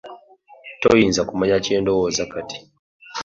Toyinza kumanya kye ndowooza kati.